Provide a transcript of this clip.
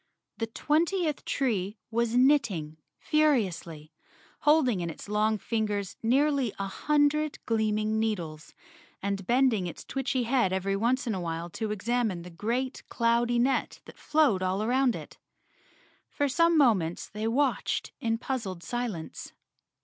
The twentieth tree was knitting furiously, holding in its long fingers nearly a hundred gleaming needles, and bending its witchy head every once in a while to exam¬ ine the great, cloudy net that flowed all around it. For some moments they watched in puzzled silence.